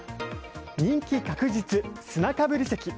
人気確実、砂かぶり席。